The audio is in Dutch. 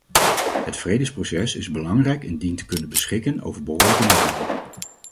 Het vredesproces is belangrijk en dient te kunnen beschikken over behoorlijke middelen.